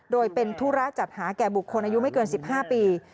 โดยเป็นธุระจัดหาแก่บุคคลอายุไม่เกิน๑๕ปี